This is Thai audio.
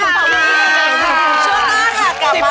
๑๕คำถาม